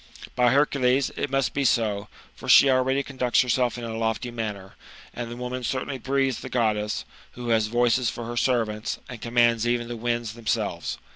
By Hercules, it must be so, for she already conducts herself in a lofty manner; and the woman certainly breathes the Goddess, * who has voices for her servants, and commands even the winds themselves.